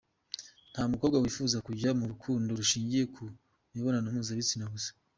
Nta mukobwa wifuza kujya mu rukundo rushingiye ku mibonano mpuzabitsina gusa.